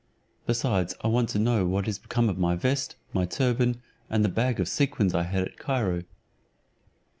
Besides, I want to know what is become of my vest, my turban, and the bag of sequins I had at Cairo?"